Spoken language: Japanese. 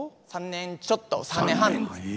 ３年ちょっと３年半ですね。